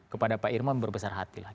kepada pak irman berbesar hati lah